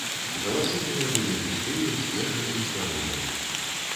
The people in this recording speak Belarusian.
Галасы тыя былі густыя, свежыя і здаровыя.